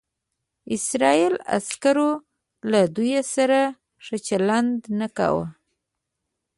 اسرائیلي عسکرو له دوی سره ښه چلند نه کاوه.